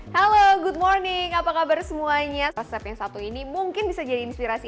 halo good morning apa kabar semuanya resep yang satu ini mungkin bisa jadi inspirasi